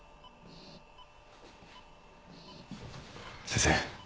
先生。